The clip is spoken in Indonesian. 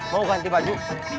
mau ganti baju